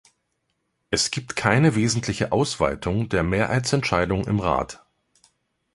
Es gibt keine wesentliche Ausweitung der Mehrheitsentscheidung im Rat.